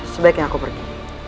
sebaiknya aku pergi